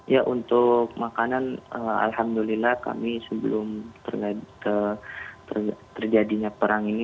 ya untuk makanan alhamdulillah kami sebelum terjadinya perang ini